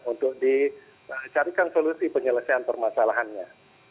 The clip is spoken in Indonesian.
untuk dicarikan solusi penyelesaian permasalahannya